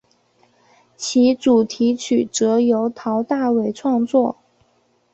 其主题曲则由陶大伟创作。